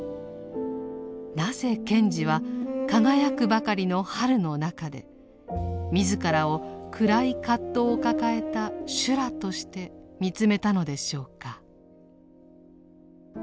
なぜ賢治は輝くばかりの「春」の中で自らを暗い葛藤を抱えた「修羅」として見つめたのでしょうか。